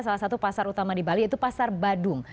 salah satu pasar utama di bali yaitu pasar badung